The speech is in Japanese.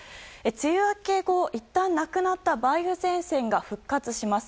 梅雨明け後、いったんなくなった梅雨前線が復活します。